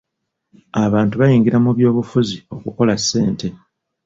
Abantu bayingira mu by'obufuzi okukola ssente.